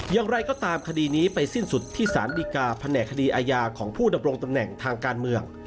อย่างไรก็ตามคดีนี้ไปสิ้นสุดที่สารดีกาแผนกคดีอาญาของผู้ดำรงตำแหน่งทางการเมือง